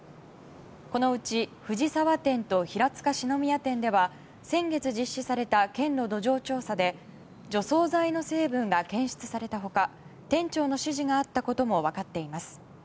このうち藤沢店と平塚四之宮店では先月実施された県の土壌調査で除草剤の成分が検出された他店長の指示があったことも分かっています。